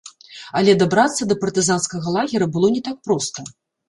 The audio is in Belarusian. Але дабрацца да партызанскага лагера было не так проста.